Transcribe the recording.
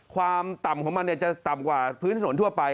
ความต่ำของมันจะต่ำกว่าพื้นถนนทั่วไป